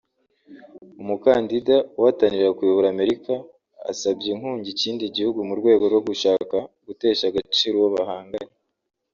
umukandida uhatanira kuyobora Amerika asabye inkunga ikindi gihugu mu rwego rwo gushaka gutesha agaciro uwo bahanganye